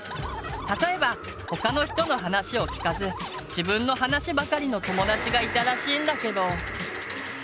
例えば他の人の話を聞かず自分の話ばかりの友達がいたらしいんだけど。